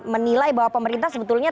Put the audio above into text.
menilai bahwa pemerintah sebetulnya